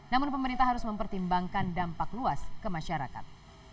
namun pemerintah harus mempertimbangkan dampak luas ke masyarakat